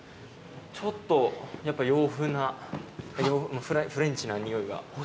ちょっとやっぱ洋風なまぁフレンチな匂いが。